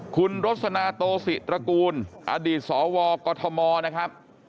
คุณรสนาโตศิตระกูลอดีตสวกมนะครับ